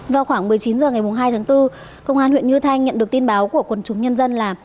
vào khoảng một mươi chín h ngày hai tháng bốn công an huyện như thanh nhận được tin báo của quần chúng nhân dân là